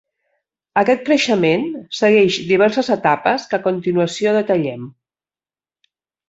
Aquest creixement segueix diverses etapes que a continuació detallem.